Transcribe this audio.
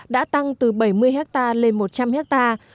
đã tăng từ bảy mươi hectare lên một trăm linh hectare